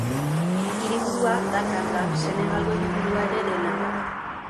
Hiriburua Dakar da, Senegalgo hiriburua ere dena.